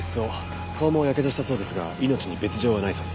顔もやけどしたそうですが命に別条はないそうです。